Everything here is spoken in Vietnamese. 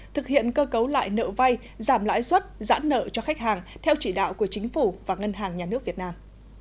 thực hiện cơ cấu lại nợ vay giảm lãi suất giãn nợ cho khách hàng theo chỉ đạo của chính phủ và ngân hàng nhà nước việt nam